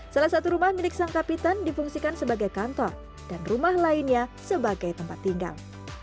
salah satu rumah milik sang kapitan difungsikan sebagai kantor dan rumah lainnya sebagai tempat tinggal